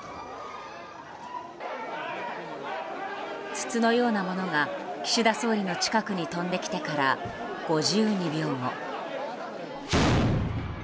筒のようなものが岸田総理の近くに飛んできてから５２秒後。